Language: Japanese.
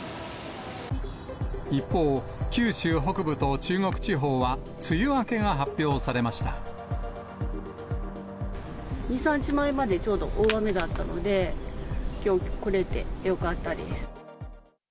一方、九州北部と中国地方は、２、３日前まで、ちょうど大雨だったので、きょう来れてよかったです。